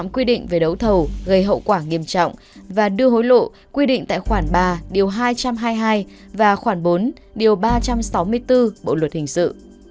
quy định về đấu thầu gây hậu quả nghiêm trọng và đưa hối lộ quy định tại khoản ba điều hai trăm hai mươi hai và khoảng bốn điều ba trăm sáu mươi bốn bộ luật hình sự